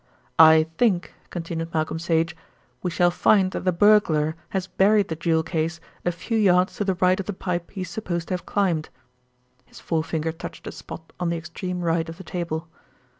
"I think," continued Malcolm Sage, "we shall find that the burglar has buried the jewel case a few yards to the right of the pipe he is supposed to have climbed." His forefinger touched a spot on the extreme right of the table.